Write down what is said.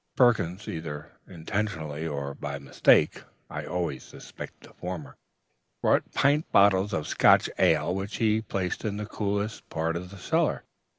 Perkins, either intentionally or by mistake, (I always suspected the former,) brought pint bottles of Scotch ale, which he placed in the coolest part of the cellar.